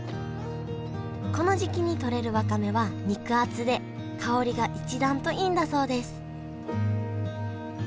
この時期に採れるわかめは肉厚で香りが一段といいんだそうです